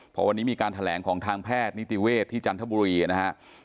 พอวันนี้มีการแถลงของทางแพทย์นิติเวศที่จันทบุรีนะครับ